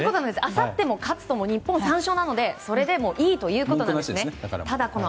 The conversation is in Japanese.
あさって日本が勝つと３勝なのでそれでもういいということなんですね。